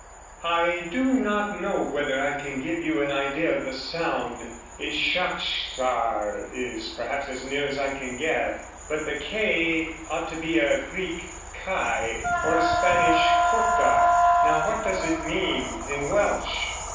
I do not know whether I can give you an idea of the sound; "Ishakshar" is perhaps as near as I can get. But the k ought to be a Greek chi or a Spanish j. Now what does it mean in Welsh?'